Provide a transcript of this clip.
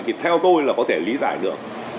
thì theo tôi là có thể lý giải được